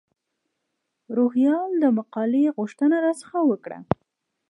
روهیال د مقالې غوښتنه را څخه وکړه.